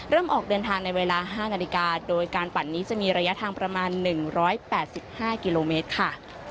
ออกเดินทางในเวลา๕นาฬิกาโดยการปั่นนี้จะมีระยะทางประมาณ๑๘๕กิโลเมตรค่ะ